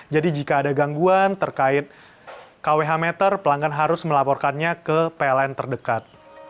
jadi jika ada gangguan terkait kwh meter pelanggan harus melaporkannya ke pln terdekat